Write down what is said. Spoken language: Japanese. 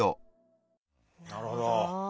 なるほど。